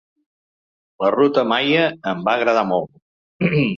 La ruta maia em va agradar molt.